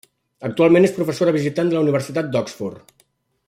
Actualment és professora visitant de la Universitat d'Oxford.